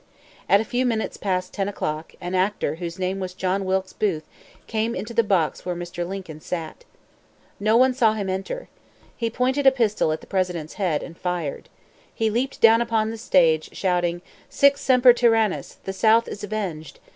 At a few minutes past 10 o'clock, an actor whose name was John Wilkes Booth, came into the box where Mr. Lincoln sat. No one saw him enter. He pointed a pistol at the President's head, and fired. He leaped down upon the stage, shouting "Sic semper tyrannis! The South is avenged!"